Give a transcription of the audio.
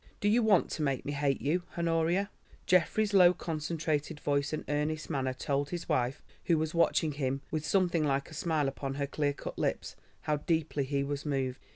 Do you want to make me hate you, Honoria?" Geoffrey's low concentrated voice and earnest manner told his wife, who was watching him with something like a smile upon her clear cut lips, how deeply he was moved.